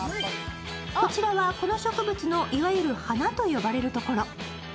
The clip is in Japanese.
こちらはこの植物のいわゆる花と呼ばれるところ。